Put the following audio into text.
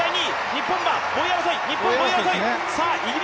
日本、５位争い。